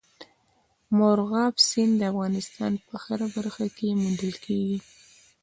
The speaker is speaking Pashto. مورغاب سیند د افغانستان په هره برخه کې موندل کېږي.